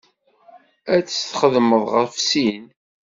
Ad tt-txedmeḍ ɣef sin.